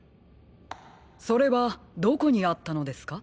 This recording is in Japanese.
それはどこにあったのですか？